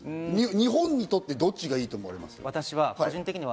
日本にとって、どっちがいいと思います？